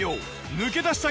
抜け出した！